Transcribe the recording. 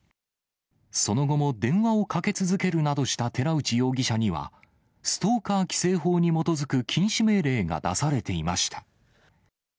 その後も電話をかけ続けるなどした寺内容疑者には、ストーカー規制法に基づく禁止命令が出されていました。